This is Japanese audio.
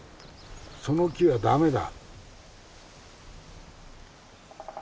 その木は駄目だ。